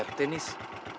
pak ether ini si